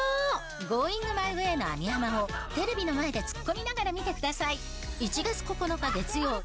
ゴーイングマイウエーの網浜をテレビの前でツッコミながら見て下さい。